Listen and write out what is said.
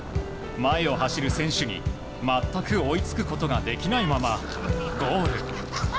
前を走る選手に全く追いつくことができないままゴール。